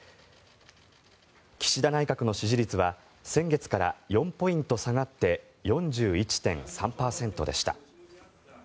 岸田内閣の支持率は先月から４ポイント下がって４１．３％でした。